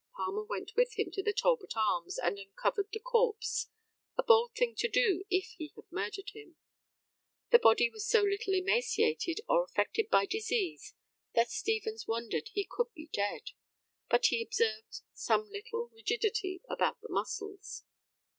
Palmer went with him to the Talbot Arms, and uncovered the corpse a bold thing to do if he had murdered him. The body was so little emaciated or affected by disease that Stevens wondered he could be dead; but he observed some little rigidity about the muscles.